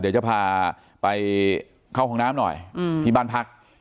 เดี๋ยวจะพาไปเข้าห้องน้ำหน่อยที่บ้านพัก